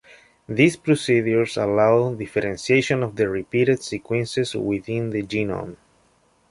These procedures allow differentiation of the repeated sequences within the genome.